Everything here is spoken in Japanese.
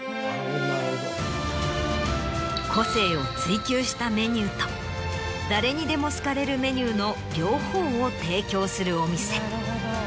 個性を追求したメニューと誰にでも好かれるメニューの両方を提供するお店。